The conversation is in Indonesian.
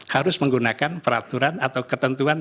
harus menggunakan peraturan atau ketentuan